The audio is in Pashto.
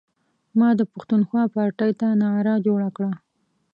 ما د پښتونخوا پارټۍ ته نعره جوړه کړه.